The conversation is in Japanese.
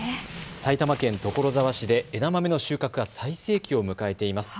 埼玉県所沢市で枝豆の収穫が最盛期を迎えています。